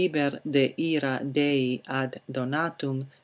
de Ira Dei, ad Donatum, c.